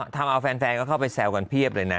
ทำเอาแฟนก็เข้าไปแซวกันเพียบเลยนะ